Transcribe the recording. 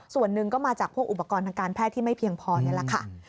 ส่วนหนึ่งก็มาจากพวกอุปกรณ์ทางการแพทย์ที่ไม่เพียงพอนี่แหละค่ะ